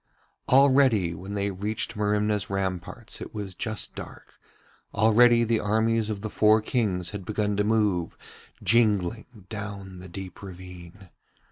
Already when they reached Merimna's ramparts it was just dark, already the armies of the four Kings had begun to move, jingling, down the deep ravine.